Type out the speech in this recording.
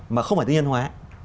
mà không phải tư nhân hóa